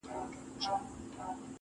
زه چي د شپې خوب كي ږغېږمه دا.